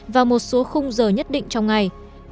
vào một số khung giờ nhất định trong ngày